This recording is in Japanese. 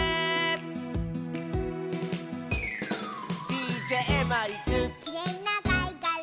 「ＤＪマイク」「きれいなかいがら」